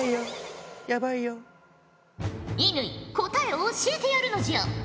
乾答えを教えてやるのじゃ。